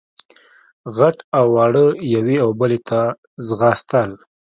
غټ او واړه يوې او بلې خواته ځغاستل.